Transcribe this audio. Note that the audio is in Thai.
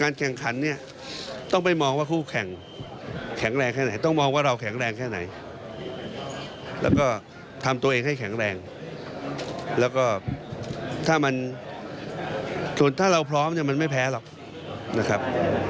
แล้วก็ถ้ามันส่วนถ้าเราพร้อมมันไม่แพ้หรอกนะครับ